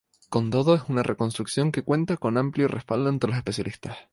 Con todo es una reconstrucción que cuenta con amplio respaldo entre los especialistas.